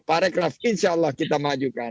parekraf insya allah kita majukan